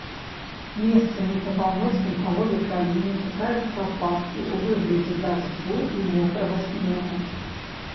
Месцамі па паўночнай палове краіны чакаюцца ападкі ў выглядзе дажджу і мокрага снегу.